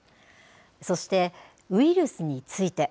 そして、ウイルスについて。